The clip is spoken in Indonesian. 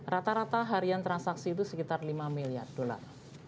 rata rata harian transaksi itu sekitar lima miliar dolar